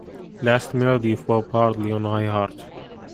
last melody of Bob Hardy on Iheart